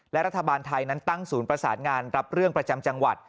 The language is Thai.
และรัฐบาลไทยนั้นตั้งศูนย์ประสานงานรับเรื่องประจำจังหวัด